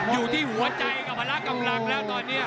อยู่ที่หัวใจกับพละกำลังแล้วตอนนี้